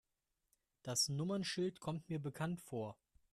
Das Nummernschild kommt mir bekannt vor.